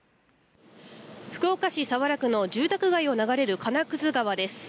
福岡市早良区の住宅街を流れる金屑川です。